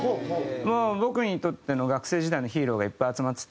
もう僕にとっての学生時代のヒーローがいっぱい集まってて。